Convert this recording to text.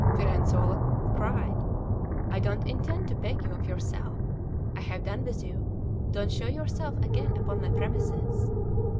Firenzuola cried: "I don't intend to beg you of yourself; I have done with you; don't show yourself again upon my premises."